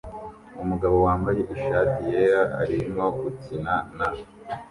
Umugabo wambaye ishati yera arimo gukina na